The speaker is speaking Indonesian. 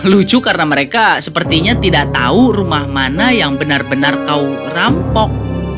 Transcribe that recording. lucu karena mereka sepertinya tidak tahu rumah mana yang benar benar kau rampok